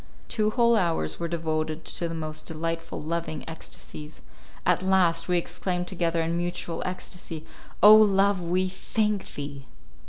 Two whole hours were devoted to the most delightful, loving ecstasies. At last we exclaimed together in mutual ecstasy, "O Love, we thank thee!"